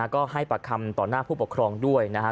ก็ให้ปากคำต่อหน้าผู้ปกครองด้วยนะฮะ